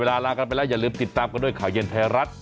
ลาลากันไปแล้วอย่าลืมติดตามกันด้วยข่าวเย็นไทยรัฐ